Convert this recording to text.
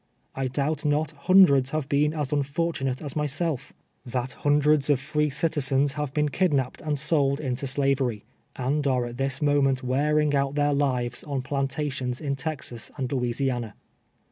I doubt not hundreds have been as unfortunate as myself; that hundreds of free citizens have been kid napped and sold into slavery, and are at this mo ment wearing out their lives on plantations in Texas and Louisiana.